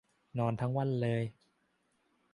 นอนทั้งวันเลย